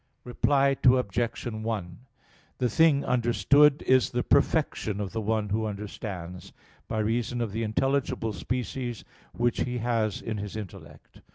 Reply Obj. 1: The thing understood is the perfection of the one who understands, by reason of the intelligible species which he has in his intellect.